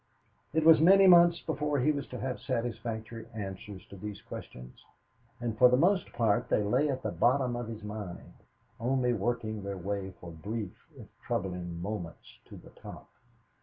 It was many months before he was to have satisfactory answers to these questions. And for the most part they lay at the bottom of his mind, only working their way for brief, if troubling, moments to the top.